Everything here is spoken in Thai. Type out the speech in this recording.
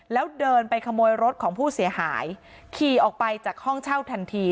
แล้วเดินไปขโมยรถของผู้เสียหายขี่ออกไปจากห้องเช่าทันที